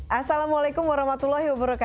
assalamualaikum wr wb